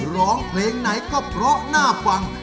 ร้องเพลงไหนก็เพราะน่าฟัง